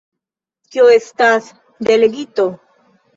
Kio estas delegito?